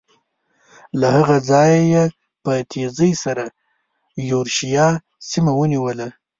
له هغه ځایه یې په تېزۍ سره یورشیا سیمه ونیوله.